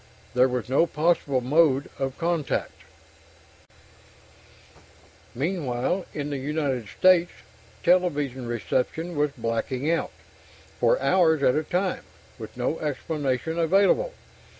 There was no possible mode of contact. Meanwhile, in the United States, television reception was blacking out for hours at a time, with no explanation available.